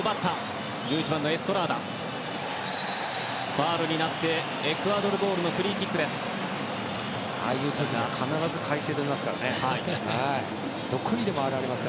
ファウル、エクアドルボールのフリーキックです。